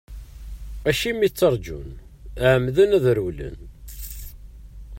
Acimi ttarǧun, ɛemmden ad rewlen.